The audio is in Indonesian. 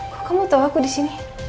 kok kamu tau aku disini